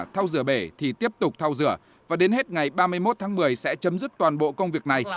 thao rửa bể thì tiếp tục thao rửa và đến hết ngày ba mươi một tháng một mươi sẽ chấm dứt toàn bộ công việc này